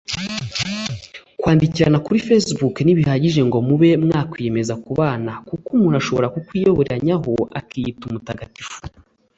Kwandikirana kuri facebook ntibihagije ngo mube mwakwiyemeza kubana kuko umuntu ashobora kukwiyoberanyaho akiyita umutagatifu